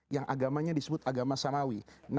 yang agamanya disebut agama samawi